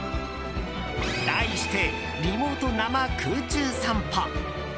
題して、リモート生空中散歩。